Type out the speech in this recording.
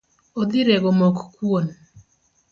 Odhi rego mok kuon.